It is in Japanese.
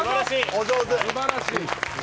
お上手。